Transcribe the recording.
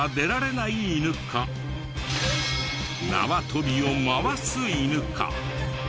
なわ跳びを回す犬か？